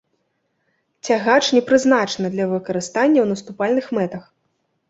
Цягач не прызначаны для выкарыстання ў наступальных мэтах.